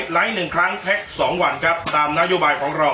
ไลค์๑ครั้งแพ็ค๒วันครับตามนโยบายของเรา